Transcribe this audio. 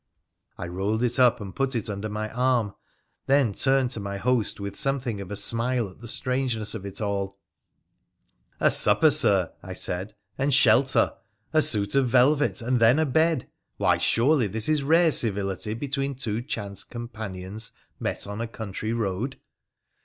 I rolled it up, and put it under my arm, then turned to my host with something of a smile at the strangeness of it all. *7o WONDERFUL ADVENTURES OF ' A supper, Sir,' I said, ' and shelter ; a suit of velvet ; and then a bed ! Why, surely, this is rare civility between two chance companions met on a country road